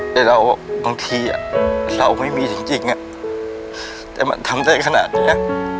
แต่เราบางทีเราไม่มีจริงแต่มันทำได้ขนาดนี้